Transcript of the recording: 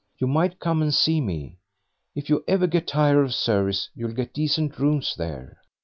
You might come and see me. If you ever get tired of service you'll get decent rooms there."